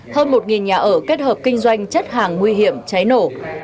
hơn một nhà ở kết hợp kinh doanh chất hàng nguy hiểm cháy nổ